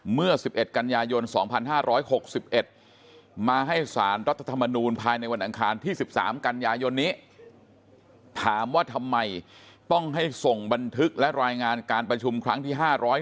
เมื่อ๑๑กันยายน๒๕๖๑มาให้สารรัฐธรรมนูลภายในวันอังคารที่๑๓กันยายนนี้